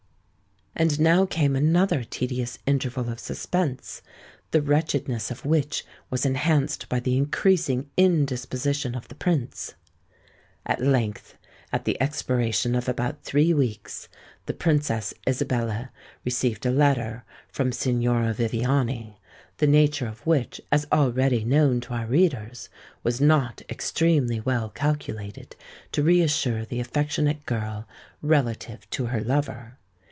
And now came another tedious interval of suspense, the wretchedness of which was enhanced by the increasing indisposition of the Prince. At length—at the expiration of about three weeks—the Princess Isabella received a letter from Signora Viviani, the nature of which, as already known to our readers, was not extremely well calculated to reassure the affectionate girl relative to her lover.